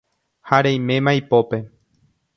ha reiméma ipópe